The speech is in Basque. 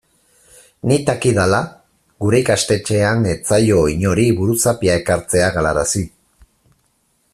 Nik dakidala gure ikastetxean ez zaio inori buruzapia ekartzea galarazi.